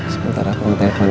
sebentar aku mau telepon ya